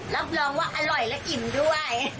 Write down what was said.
รับรองว่าอร่อยและอิ่มด้วย